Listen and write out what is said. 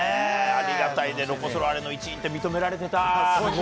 ありがたいね、ロコ・ソラーレの一員って認められてた。